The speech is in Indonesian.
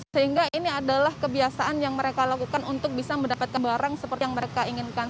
sehingga ini adalah kebiasaan yang mereka lakukan untuk bisa mendapatkan barang seperti yang mereka inginkan